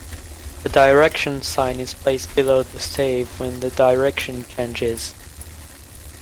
A direction sign is placed below the stave when the direction changes.